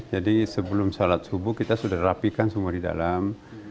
jadi sebelum salat subuh kita sudah rapikan semua di dalam